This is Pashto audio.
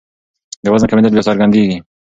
د وزن کمېدل بیا څرګندېږي.